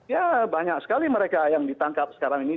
ya banyak sekali mereka yang ditangkap sekarang ini